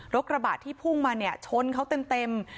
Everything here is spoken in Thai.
กระบะที่พุ่งมาเนี่ยชนเขาเต็ม